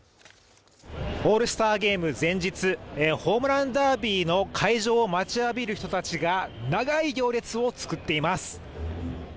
オールスターゲーム前日ホームランダービーの開場を待ちわびる人たちが長い行列を作っています。